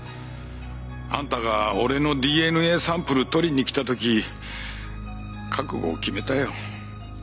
あんたが俺のＤＮＡサンプル採りに来た時覚悟を決めたよ。